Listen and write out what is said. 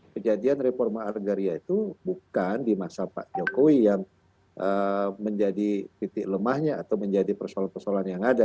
kejadian reforma agraria itu bukan di masa pak jokowi yang menjadi titik lemahnya atau menjadi persoalan persoalan yang ada